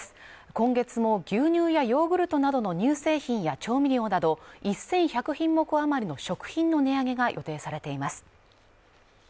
今月も牛乳やヨーグルトなどの乳製品や調味料など１１００品目余りの食品の値上げが予定されています